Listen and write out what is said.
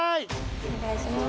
お願いします